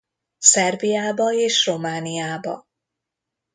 Szerbiába és Romániába.